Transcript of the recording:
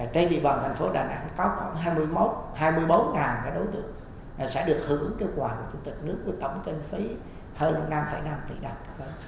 trên địa bàn thành phố đà nẵng có khoảng hai mươi một hai mươi bốn đối tượng sẽ được hưởng cái quà của chủ tịch nước với tổng kinh phí hơn năm năm tỷ đồng